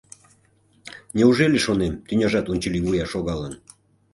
Неужели, шонем, тӱняжат унчыливуя шогалын?